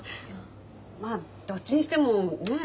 まっどっちにしてもねえ